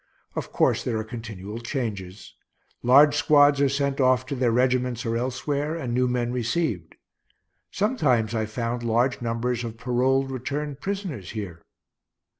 Of course there are continual changes. Large squads are sent off to their regiments or elsewhere, and new men received. Sometimes I found large numbers of paroled returned prisoners here.